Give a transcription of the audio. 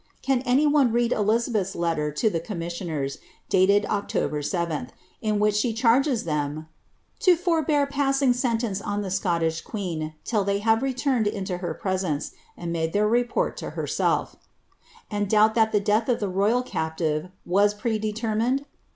Can any one Elizabeth's letter to the commissioners, dated October 7ih, in which charges them " to forbear passing sentence on the Scottish queen they have returned into her presence, and uiade their report to hersel and doubt that the death of the royal captive was predctermitied?